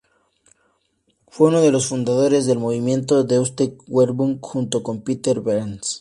Fue uno de los fundadores del movimiento Deutsche Werkbund, junto con Peter Behrens.